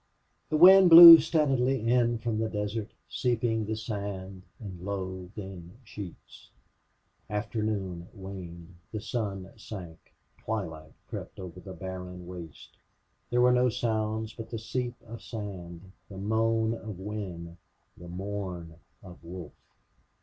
The wind blew steadily in from the desert seeping the sand in low, thin sheets. Afternoon waned, the sun sank, twilight crept over the barren waste. There were no sounds but the seep of sand, the moan of wind, the mourn of wolf.